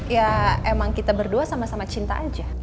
ya emang kita berdua sama sama cinta aja